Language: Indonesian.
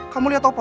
kamu lihat apa